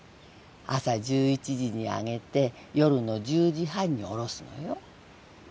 朝１１時に揚げて夜の１０時半に下ろすのよ。